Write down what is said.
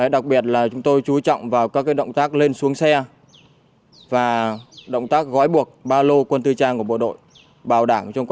đặc biệt là chúng tôi chú trọng vào các động tác lên xuống xe và động tác gói buộc ba lô